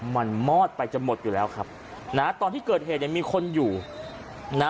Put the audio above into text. มันมอดไปจะหมดอยู่แล้วครับนะตอนที่เกิดเหตุเนี่ยมีคนอยู่นะ